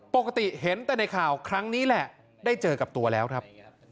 ปกติเห็นแต่ในข่าวครั้งนี้แหละได้เจอกับตัวแล้วครับ